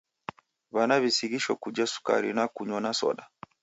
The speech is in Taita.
W'ana w'isighisho kuja sukari na kunywa na soda.